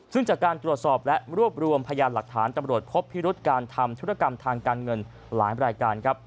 ซึ่งจากการตรวจสอบและรวบรวมพยานหลักฐานตำรวจพบพิรุษการทำธุรกรรมทางการเงินหลายรายการครับ